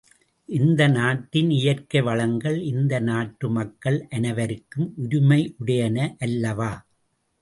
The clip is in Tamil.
இந்த நாட்டின் இயற்கை வளங்கள் இந்த நாட்டு மக்கள் அனைவருக்கும் உரிமையுடையன அல்லவா?